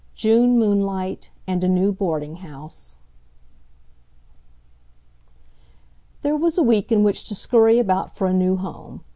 JUNE MOONLIGHT, AND A NEW BOARDINGHOUSE There was a week in which to scurry about for a new home.